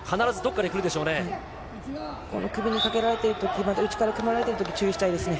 この首にかけられてるとき、内から組まれているとき、注意したいですね。